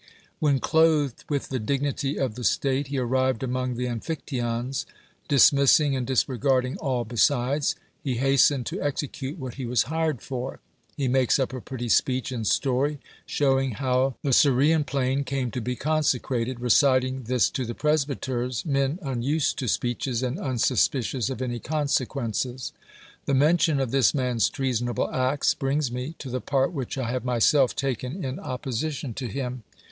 AVhen clothed with the dignity of the state he arrived among the Amphictyons, dis missing and disregarding all besides, he hastened to execute what he was hired for. ITe makes up a pretty speech and story, showing how the Cir 162 DEMOSTHENES rhffian plain came to be consecrated ; reciting this to the presbyters, men unused to speeches and unsuspicious of any consequences. The mention of this man's treasonable acts brings me to the part which I have myself taken in opposition to him.